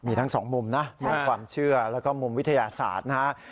มีทั้งสองมุมนะมุมความเชื่อแล้วก็มุมวิทยาศาสตร์นะฮะ